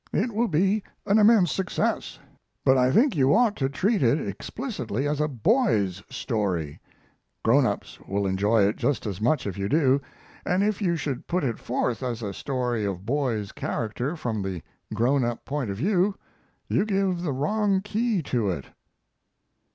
It will be an immense success, but I think you ought to treat it explicitly as a boy's story; grown ups will enjoy it just as much if you do, and if you should put it forth as a story of boys' character from the grown up point of view you give the wrong key to it.